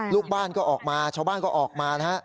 ลูกบ้านก็ออกมาชาวบ้านก็ออกมานะฮะ